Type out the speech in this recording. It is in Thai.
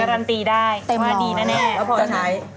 การันตีได้เต็มหมอ